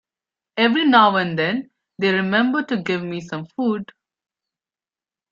Every now and then they remember to give me some food.